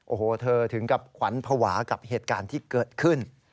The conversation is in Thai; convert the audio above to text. โอ้โหเธอถึงกับขวัญภาวะกับเหตุการณ์ที่เกิดขึ้น